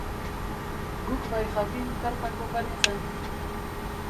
Guk bai jakin karpak oparitzen!